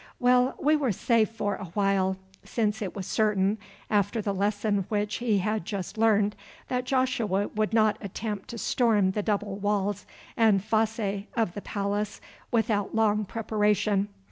Well, we were safe for a while, since it was certain, after the lesson which he had just learned, that Joshua would not attempt to storm the double walls and fosse of the palace without long preparation.